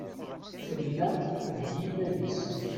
Tenna deg yiman-is.